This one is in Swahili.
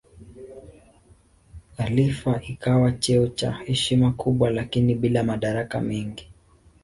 Khalifa ikawa cheo cha heshima kubwa lakini bila madaraka mengi.